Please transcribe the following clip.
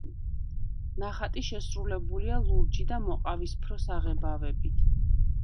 ნახატი შესრულებულია ლურჯი და მოყავისფრო საღებავებით.